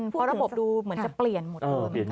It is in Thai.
เพราะระบบดูเหมือนจะเปลี่ยนหมดเลย